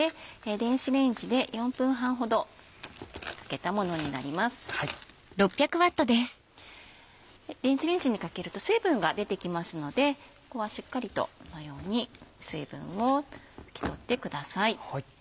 電子レンジにかけると水分が出てきますのでここはしっかりとこのように水分を拭き取ってください。